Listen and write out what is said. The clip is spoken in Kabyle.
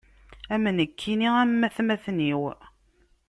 Am nekkini am atmaten-iw.